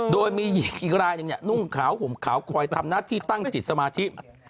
โดยมีหญิงอีกลายนึงเนี่ยนุ่มขาวห่มขาวคอยทำนาทิตั้งจิตสมาธิ